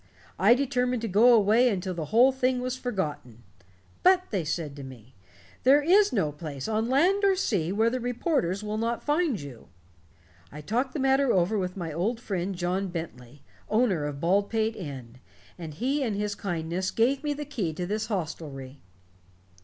I determined to go away until the whole thing was forgotten. 'But', they said to me, 'there is no place, on land or sea, where the reporters will not find you'. I talked the matter over with my old friend, John Bentley, owner of Baldpate Inn, and he in his kindness gave me the key to this hostelry."